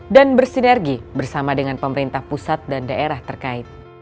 dan bersinergi bersama dengan pemerintah pusat dan daerah terkait